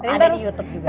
ada di youtube juga